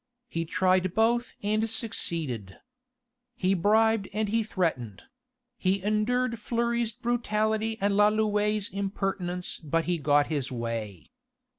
He tried both and succeeded. He bribed and he threatened: he endured Fleury's brutality and Lalouët's impertinence but he got his way.